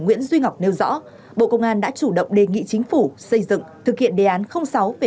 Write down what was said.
nguyễn duy ngọc nêu rõ bộ công an đã chủ động đề nghị chính phủ xây dựng thực hiện đề án sáu về